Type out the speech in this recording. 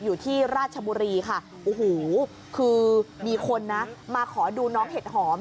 อยู่ที่ราชบุรีค่ะโอ้โหคือมีคนนะมาขอดูน้องเห็ดหอม